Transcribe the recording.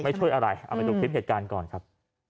ช่วยอะไรเอาไปดูคลิปเหตุการณ์ก่อนครับ